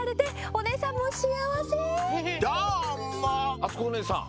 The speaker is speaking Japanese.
あつこおねえさん。